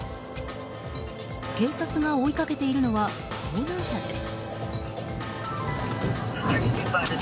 警察が追いかけているのは盗難車です。